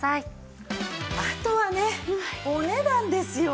あとはねお値段ですよ。